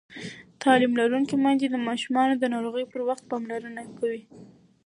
تعلیم لرونکې میندې د ماشومانو د ناروغۍ پر وخت پاملرنه کوي.